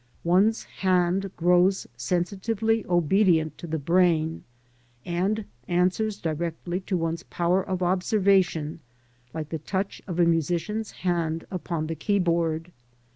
One's hand grows sensitively obedient to the brain, and answers directly to one's power of observation, like the touch of a musician's hand upon the keyboard.